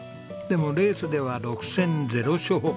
でもレースでは６戦ゼロ勝。